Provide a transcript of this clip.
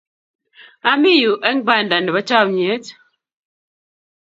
ami yu ing' banda nebo chamiet